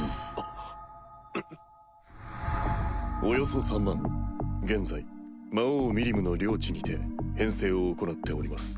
およそ３万現在魔王ミリムの領地にて編成を行っております。